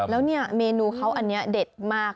แล้วเนี่ยเมนูเขาอันนี้เด็ดมาก